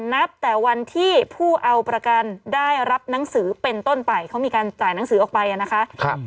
นับแต่วันที่ผู้เอาประกันได้รับหนังสือเป็นต้นไปเขามีการจ่ายหนังสือออกไปนะคะ